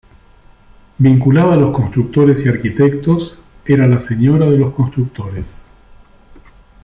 Vinculada a los constructores y arquitectos, era la "Señora de los constructores".